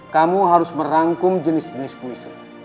kamu harus merangkum jenis jenis puisi